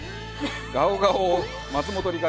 ガオガオ松本梨香